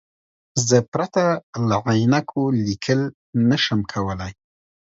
زه پرته له عینکو لیکل نشم کولای.